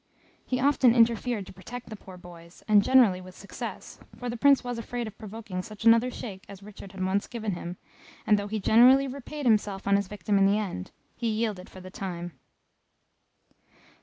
He often interfered to protect the poor boys, and generally with success, for the Prince was afraid of provoking such another shake as Richard had once given him, and though he generally repaid himself on his victim in the end, he yielded for the time.